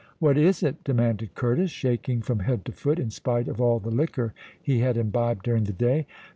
"What is it?" demanded Curtis, shaking from head to foot, in spite of all the liquor he had imbibed during the day.